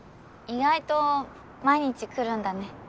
意外と毎日来るんだね